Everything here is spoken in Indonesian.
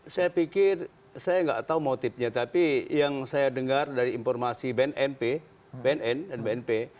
saya pikir saya nggak tahu motifnya tapi yang saya dengar dari informasi bnnp bnn dan bnp